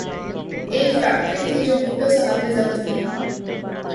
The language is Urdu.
ایک فیکٹری تھی جو بھٹو صاحب نے ضبط کی۔